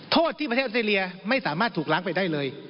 โทษที่ประเทศออสเตรเลียไม่สามารถถูกล้างไปได้เลย